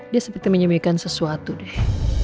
dia seperti menyemaikan sesuatu deh